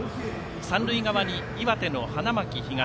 三塁側に岩手の花巻東。